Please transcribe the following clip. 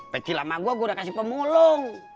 peci lama gue gue udah kasih pemulung